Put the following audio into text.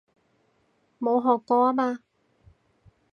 冇學過吖嘛